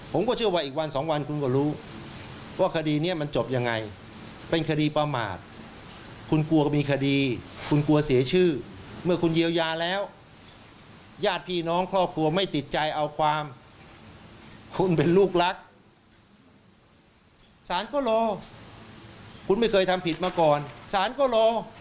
คุณไม่เคยทำผิดมาก่อนสารก็รอ